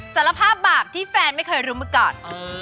สารภาพบาปที่แฟนไม่เคยรู้มาก่อน